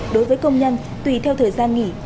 đối với công nhân tùy theo thời gian nghỉ